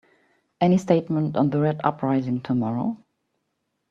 Any statement on the Red uprising tomorrow?